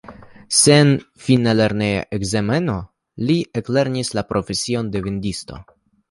Sen fina lerneja ekzameno li eklernis la profesion de vendisto.